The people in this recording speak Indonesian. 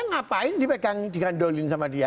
ngapain dipegang digandolin sama dia